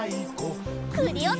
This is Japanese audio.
クリオネ！